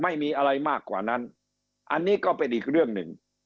ไม่มีอะไรมากกว่านั้นอันนี้ก็เป็นอีกเรื่องหนึ่ง